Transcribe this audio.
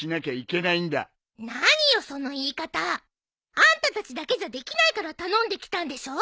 あんたたちだけじゃできないから頼んできたんでしょ！